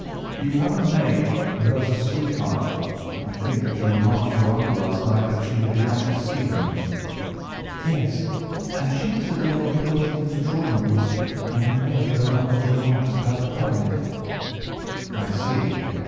"You have a maid who has a sweetheart? I think that you remarked to your uncle last night that she had been out to see him?" "Yes, and she was the girl who waited in the drawing room, and who may have heard uncle's remarks about the coronet." "I see.